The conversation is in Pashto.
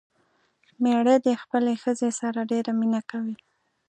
مېړه دې خپلې ښځې سره ډېره مينه کوي